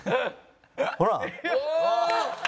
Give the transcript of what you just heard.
ほら！